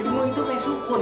bidung lo itu kayak sukun